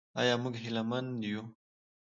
آیا موږ هیله مند یو؟